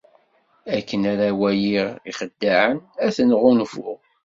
Akken ara waliɣ ixeddaɛen, ad ten-ɣunfuɣ.